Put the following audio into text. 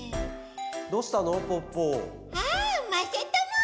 どうしたの？